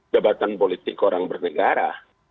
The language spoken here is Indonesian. jabatan politik orang bernegara